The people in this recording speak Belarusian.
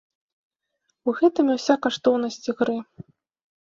У гэтым і ўся каштоўнасць ігры.